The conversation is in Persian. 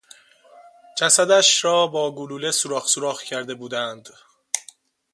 جسدش را با گلوله سوراخ سوراخ کرده بودند.